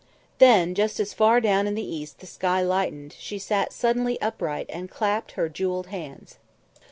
Then, just as far down in the east the sky lightened, she sat suddenly upright and clapped her jewelled hands.